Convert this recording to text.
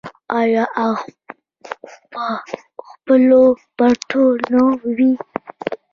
آیا او په خپلو مټو نه وي؟